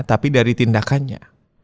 tapi dari tindakannya